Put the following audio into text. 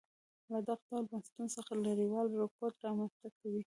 له دغه ډول بنسټونو څخه لرېوالی رکود رامنځته کوي.